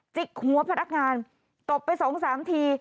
จิกหัวพนักงานตบไปสองสามที